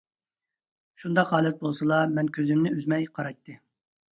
شۇنداق ھالەت بولسىلا مەن كۆزۈمنى ئۈزمەي قارايتتى.